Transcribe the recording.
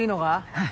はい。